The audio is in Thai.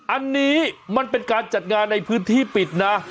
อันนี้มันเป็นการจัดงานในพื้นที่ปิดนะ